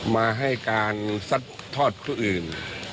มาให้การซัดทอดผู้อื่น